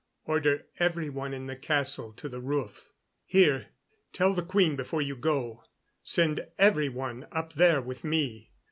Order every one in the castle to the roof. Here! Tell the queen before you go. Send every one up there with me.